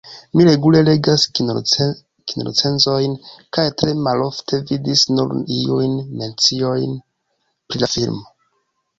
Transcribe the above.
Mi regule legas kinorecenzojn, kaj tre malofte vidis nur iujn menciojn pri la filmo.